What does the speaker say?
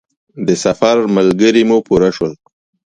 د سفر ملګري مو پوره شول.